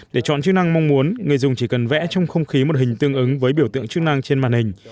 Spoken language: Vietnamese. để chọn chức năng mong muốn người dùng chỉ cần vẽ trong không khí một hình tương ứng với biểu tượng chức năng trên màn hình